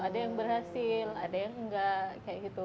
ada yang berhasil ada yang enggak kayak gitu